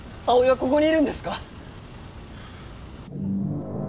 葵はここにいるんですか？